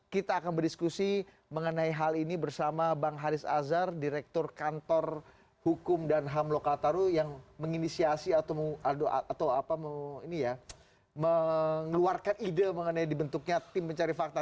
kita akan berdiskusi mengenai hal ini bersama bang haris azhar direktur kantor hukum dan ham lokataru yang menginisiasi atau mengeluarkan ide mengenai dibentuknya tim pencari fakta